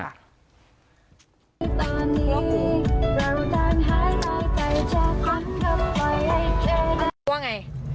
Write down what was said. อะดูว่าไง